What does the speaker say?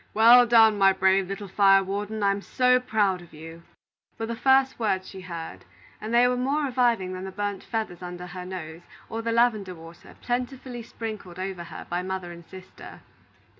"Well done, my brave little fire warden! I'm proud of you!" were the first words she heard; and they were more reviving than the burnt feathers under her nose, or the lavender water plentifully sprinkled over her by her mother and sister.